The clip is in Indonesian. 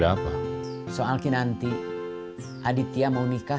apakah yang kamu utiliser